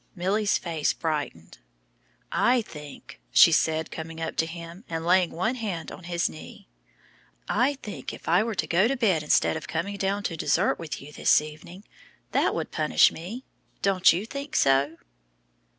'" Milly's face brightened. "I think," she said, coming up to him and laying one hand on his knee "I think if I were to go to bed instead of coming down to dessert with you this evening, that would punish me; don't you think so?"